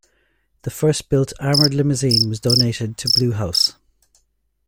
The first-built armoured limousine was donated to Blue House.